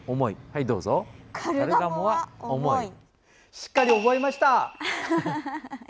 しっかり覚えました！